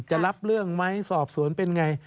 จะรับเรื่องไหมสอบสวนเป็นไง